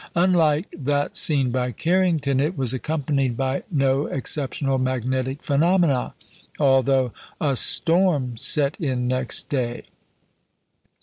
Unlike that seen by Carrington, it was accompanied by no exceptional magnetic phenomena, although a "storm" set in next day.